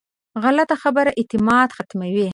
غلطه خبره اعتماد ختموي